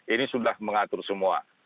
ini sudah mengatur semua